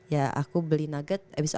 ya aku beli nugget abis